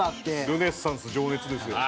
『ルネッサンス情熱』ですよ。